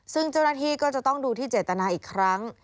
ซึ่งเจ้าหน้าที่ก็จะต้องดูที่เจตนาอีกครั้ง